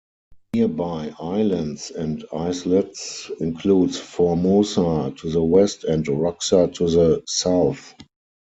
Nearby islands and islets includes Formosa to the west and Roxa to the south.